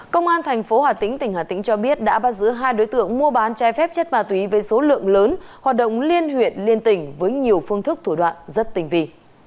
công an thành phố hà tĩnh tỉnh hà tĩnh cho biết đã bắt giữ hai đối tượng mua bán trái phép chất ma túy với số lượng lớn hoạt động liên huyện liên tỉnh với nhiều phương thức thủ đoạn rất tình vị